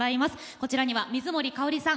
こちらには水森かおりさん